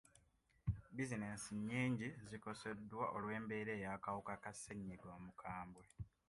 Bizinesi nnyingi zikoseddwa olw'embeera eno ey'akawuka ka ssennyiga omukambwe.